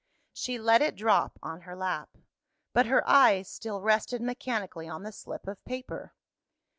She let it drop on her lap; but her eyes still rested mechanically on the slip of paper.